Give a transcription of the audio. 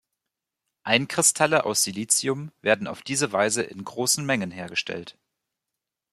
Einkristalle aus Silicium werden auf diese Weise in großen Mengen hergestellt.